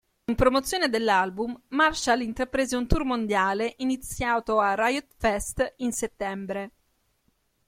In promozione dell'album, Marshall intraprese un tour mondiale iniziato a Riot Fest in settembre.